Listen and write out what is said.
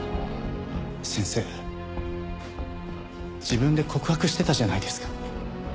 自分で告白してたじゃないですか。